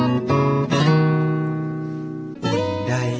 มีด้านไหน